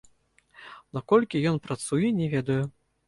Наколькі ён працуе, не ведаю.